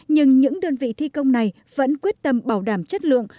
nhưng những đơn vị thi công này vẫn quyết tâm bảo đảm chất lượng